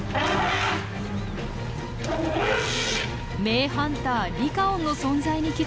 名ハンターリカオンの存在に気付き